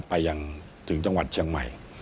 ไปยังถึงจังหวัดเชียงใหม่